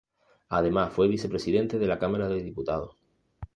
Además fue vicepresidente de la Cámara de Diputados.